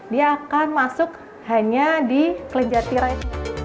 dia akan masuk hanya di kelenjar tirai